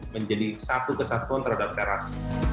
menjadi satu kesatuan terhadap teras